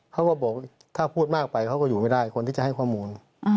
เขาก็บอกถ้าพูดมากไปเขาก็อยู่ไม่ได้คนที่จะให้ข้อมูล